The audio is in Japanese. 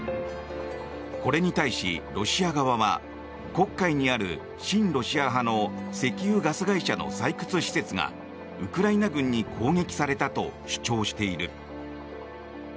これに対し、ロシア側は黒海にある親ロシア派の石油・ガス会社の採掘施設がウクライナ軍に攻撃されたと主張している。